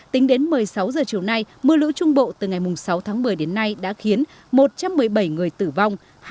tính đến một mươi sáu h chiều nay mưa lũ trung bộ từ ngày sáu tháng một mươi đến nay đã khiến một trăm một mươi bảy người tử vong